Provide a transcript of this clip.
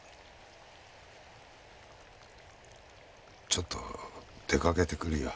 ちょっと出かけてくるよ。